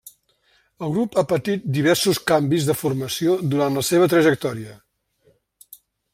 El grup ha patit diversos canvis de formació durant la seva trajectòria.